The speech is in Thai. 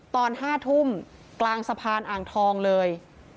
ตอน๕ทุ่มกลางสะพานอ่างทองเลย